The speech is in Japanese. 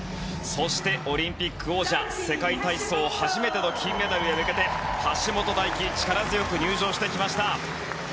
そして、オリンピック王者世界体操初めての金メダルへ向けて橋本大輝力強く入場してきました。